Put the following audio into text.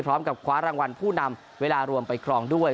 พร้อมกับคว้ารางวัลผู้นำเวลารวมไปครองด้วย